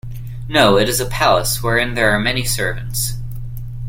No, it is a palace, wherein there are many servants.